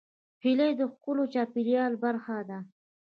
هیلۍ د ښکلي چاپېریال برخه ده